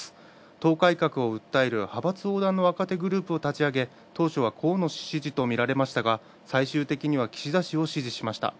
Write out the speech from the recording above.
党改革を訴える派閥横断の若手グループを立ち上げ当初は河野氏支持とみられましたが、最終的には岸田氏を支持しました。